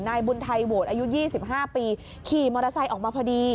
นายบุญไทยโหวตอายุ๒๕ปีขี่มอเตอร์ไซค์ออกมาพอดี